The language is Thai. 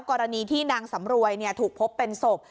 กรณีที่นางสำรวยถูกพบเป็นศพ